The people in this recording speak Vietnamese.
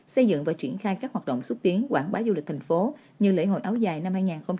xây dựng và triển khai các hoạt động xúc tiến quảng bá du lịch thành phố như lễ hội áo dài năm hai nghìn hai mươi